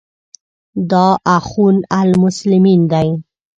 دا اخوان المسلمین ده.